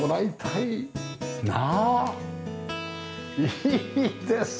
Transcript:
いいですね！